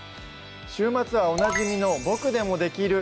週末はおなじみの「ボクでもできる！